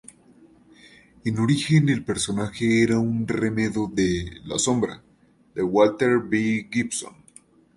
En origen, el personaje era un remedo de "La Sombra" de Walter B. Gibson.